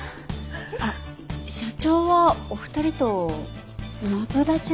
あ社長はお二人とマブダチだそうで。